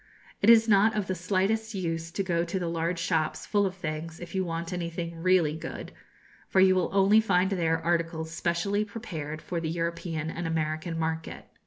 It is not of the slightest use to go to the large shops, full of things, if you want anything really good, for you will only find there articles specially prepared for the European and American market.